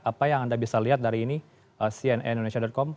apa yang anda bisa lihat dari ini cnnindonesia com